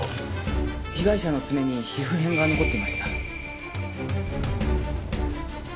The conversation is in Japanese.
被害者の爪に皮膚片が残っていました。